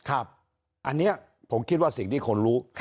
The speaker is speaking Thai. อันนี้ผมคิดว่าสิ่งที่คนรู้